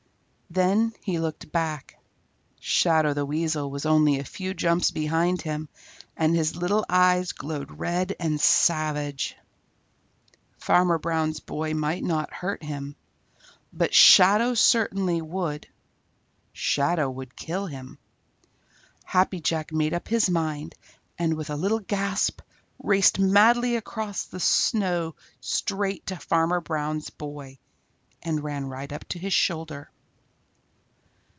Then he looked back. Shadow the Weasel was only a few jumps behind him, and his little eyes glowed red and savage. Farmer Brown's boy might not hurt him, but Shadow certainly would. Shadow would kill him. Happy Jack made up his mind, and with a little gasp raced madly across the snow straight to Farmer Brown's boy and ran right up to his shoulder.